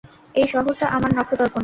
এই শহরটা আমার নখদর্পণে।